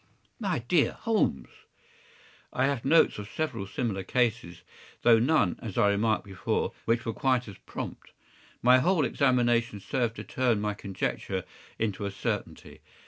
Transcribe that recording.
” “My dear Holmes!” “I have notes of several similar cases, though none, as I remarked before, which were quite as prompt. My whole examination served to turn my conjecture into a certainty.